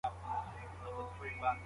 وترنري پوهنځۍ په تصادفي ډول نه ټاکل کیږي.